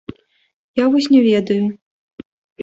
Я вось не ведаю.